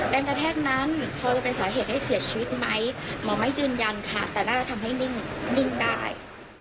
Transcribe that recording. กระแทกนั้นพอจะเป็นสาเหตุให้เสียชีวิตไหมหมอไม่ยืนยันค่ะแต่น่าจะทำให้นิ่งได้